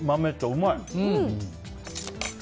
うまい！